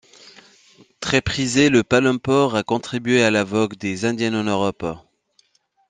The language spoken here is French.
Très prisé, le palempore a contribué à la vogue des indiennes en Europe.